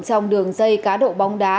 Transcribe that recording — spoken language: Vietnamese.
trong đường dây cá độ bóng đá